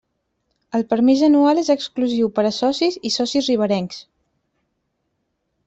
El permís anual és exclusiu per a socis i socis riberencs.